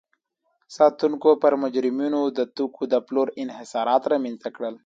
ساتونکو پر مجرمینو د توکو د پلور انحصارات رامنځته کړل.